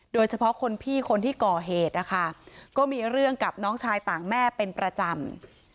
โดยเฉพาะคนพี่คนที่ก่อเหตุนะคะก็มีเรื่องกับน้องชายต่างแม่เป็นประจำ